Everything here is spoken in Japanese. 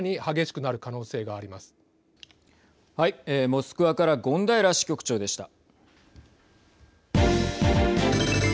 モスクワから権平支局長でした。